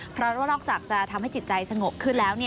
เพราะว่านอกจากจะทำให้จิตใจสงบขึ้นแล้ว